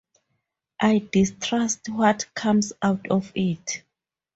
I distrust what comes out of it.